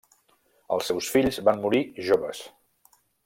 Els seus fills van morir joves.